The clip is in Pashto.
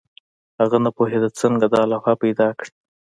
هغه نه پوهېږي څنګه دا لوحه پیدا کړي.